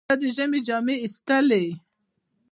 زه د ژمي جامې ایستلې.